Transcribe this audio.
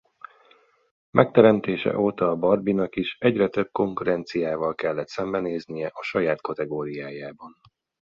Megteremtése óta a Barbie-nak is egyre több konkurenciával kellett szembenéznie a saját kategóriájában.